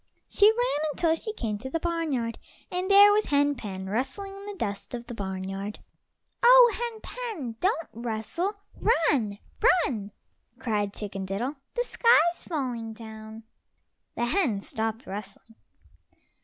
She ran until she came to the barnyard, and there was Hen pen rustling in the dust of the barnyard. "Oh, Hen pen, don't rustle—run, run!" cried Chicken diddle. "The sky's falling down." The hen stopped rustling.